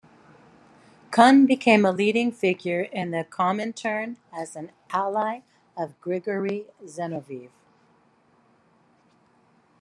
Kun became a leading figure in the Comintern as an ally of Grigory Zinoviev.